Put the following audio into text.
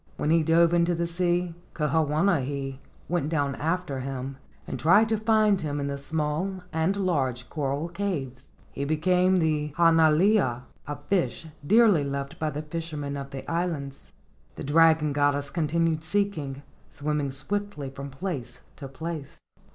When he dove into the sea Kiha wahine went down after him and tried to find him in the small and large coral caves, but could not catch him. He became the Hinalea, a fish dearly loved by PUNA AND THE DRAGON 159 the fishermen of the islands. The dragon goddess continued seeking, swimming swiftly from place to place.